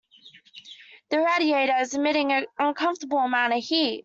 That radiator is emitting an uncomfortable amount of heat.